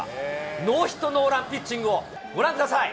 ノーヒットノーランピッチングをご覧ください。